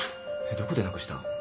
どこでなくした？